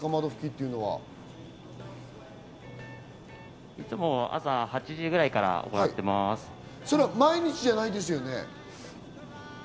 いつも朝８時ぐらいからやっ毎日じゃないですよね。